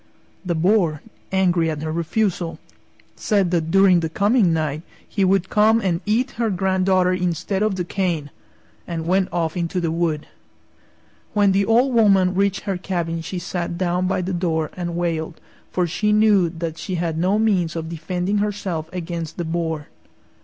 The Boar, angry at her refusal, said that during the coming night he would come and eat her granddaughter instead of the cane, and went off into the wood. When the Old Woman reached her cabin she sat down by the door and wailed, for she knew that she had no means of defending herself against the Boar.